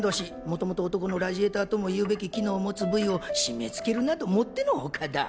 もともと男のラジエーターともいうべき機能を持つ部位を締め付けるなどもっての外だ。